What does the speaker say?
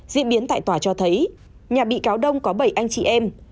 diễn biến tại tòa cho thấy nhà bị cáo đông có bảy anh chị em